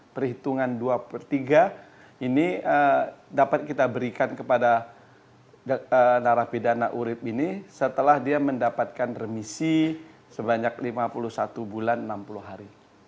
perhitungan dua per tiga ini dapat kita berikan kepada narapidana urib ini setelah dia mendapatkan remisi sebanyak lima puluh satu bulan enam puluh hari